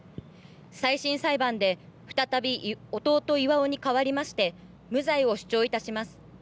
再審裁判で再び弟、巌に代わりまして無罪を主張いたします。